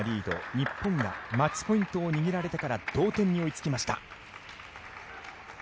日本がマッチポイントを握られてから同点に追いつきました。